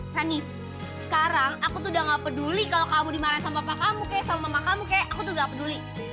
fanny sekarang aku tuh udah gak peduli kalau kamu dimarahin sama papa kamu kayak sama mama kamu kayak aku tuh gak peduli